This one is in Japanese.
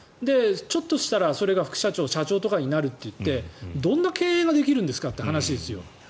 ちょっとしたら、それが副社長、社長とかになるといってどんな経営ができるんですかという話ですよ。